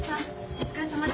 お疲れさまです。